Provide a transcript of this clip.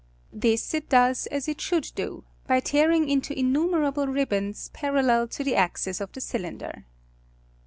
This it docs as it should do, by tearing iul'o innu merable ribbons parallel to the axis of ihe cylinder.